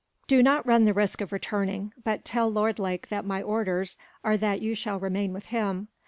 "Do not run the risk of returning, but tell Lord Lake that my orders are that you shall remain with him.